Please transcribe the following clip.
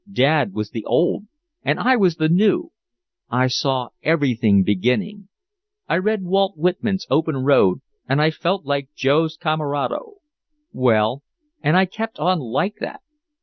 Dad was the Old and I was the New. I saw everything beginning. I read Walt Whitman's 'Open Road' and I felt like Joe's 'camarado.' Well, and I kept on like that.